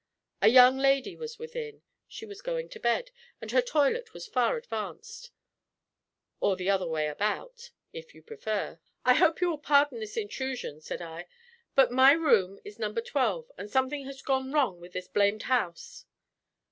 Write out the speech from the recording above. A young lady was within; she was going to bed, and her toilet was far advanced, or the other way about, if you prefer. "I hope you will pardon this intrusion," said I; "but my room is No. 12, and something has gone wrong with this blamed house."